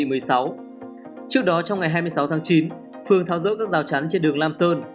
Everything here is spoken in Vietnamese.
trước đó trong ngày hai mươi sáu tháng chín phường tháo rỡ các rào chắn trên đường lam sơn